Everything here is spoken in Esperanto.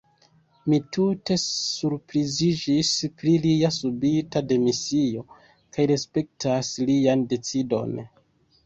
Mi tute surpriziĝis pri lia subita demisio, kaj respektas lian decidon.